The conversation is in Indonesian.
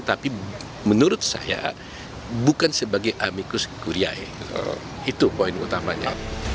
tapi menurut saya bukan sebagai amicus kuria itu poin utamanya